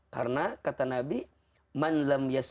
wajib berterima kasih